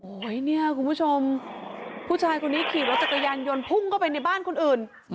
โอ้โหเนี่ยคุณผู้ชมผู้ชายคนนี้ขี่รถจักรยานยนต์พุ่งเข้าไปในบ้านคนอื่น